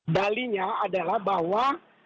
dalinya adalah bahwa